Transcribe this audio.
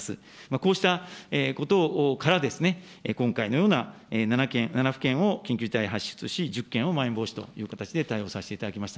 こうしたことから、今回のような７府県を緊急事態発出し、１０県をまん延防止等という形で対応させていただきました。